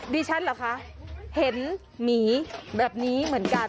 ดิฉันเหรอคะเห็นหมีแบบนี้เหมือนกัน